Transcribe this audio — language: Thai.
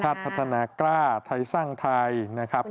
พัฒนากล้าไทยสร้างไทยนะครับ